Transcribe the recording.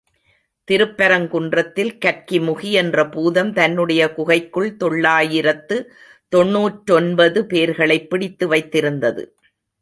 திருப்பரங்குன்றத்தில் கற்கிமுகி என்ற பூதம், தன்னுடைய குகைக்குள் தொள்ளாயிரத்து தொன்னூற்றொன்பது பேர்களைப் பிடித்து வைத்திருந்தது.